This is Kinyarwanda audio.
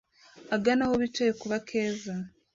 agana aho bicaye kubakeza